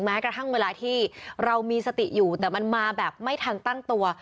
แม้กระทั่งเวลาที่เรามีสติอยู่แต่มันมาแบบไม่ทันตั้งตัว